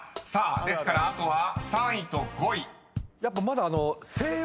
［ですからあとは３位と５位］やっぱまだ。